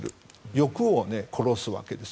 欲を殺すわけです。